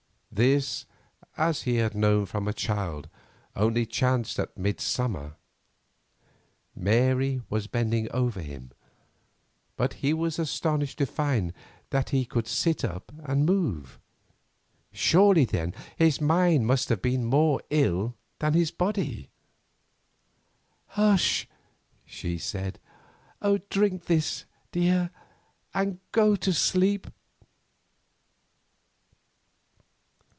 This, as he had known from a child, only chanced at mid summer. Mary was bending over him, but he was astonished to find that he could sit up and move. Surely, then, his mind must have been more ill than his body. "Hush!" she said, "drink this, dear, and go to sleep."